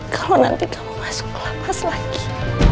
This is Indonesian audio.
kalau nanti kamu masuk kelepas lagi